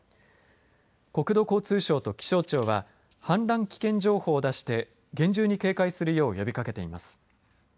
国土交通省と気象庁は氾濫危険情報を出して厳重に警戒するよう呼びかけています。